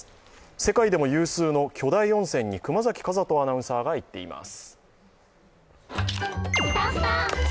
世界でも有数の巨大温泉に熊崎風斗アナウンサーが行っています。